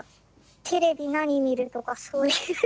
テレビ何見るとかそういう。